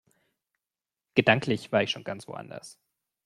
Gedanklich war ich schon ganz woanders.